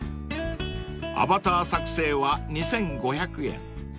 ［アバター作成は２，５００円